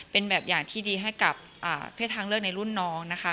เป็นแบบอย่างที่ดีให้กับเพศทางเลือกในรุ่นน้องนะคะ